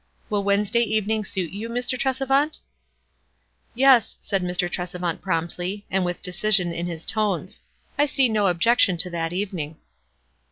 Will Wed nesday evening suit you, Mr. Tresevant?" "Yes," said Mr. Tresevant, promptly, and with decision in his tones. "I see no objection to that evening."